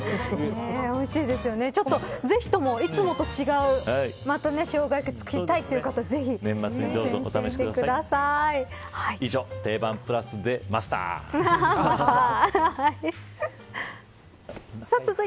ぜひとも、いつもと違うしょうが焼きを作りたいという方は、ぜひ作ってみてください。